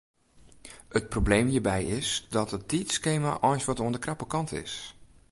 It probleem hjirby is dat it tiidskema eins wat oan de krappe kant is.